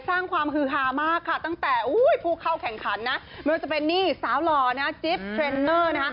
สร้างความฮือฮามากค่ะตั้งแต่ผู้เข้าแข่งขันนะไม่ว่าจะเป็นนี่สาวหล่อนะจิ๊บเทรนเตอร์นะคะ